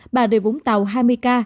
bà rịa vũng tàu hai mươi ca